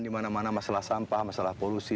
di mana mana masalah sampah masalah polusi